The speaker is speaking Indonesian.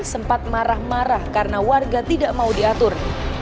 sempat marah marah karena warga tidak mau diatur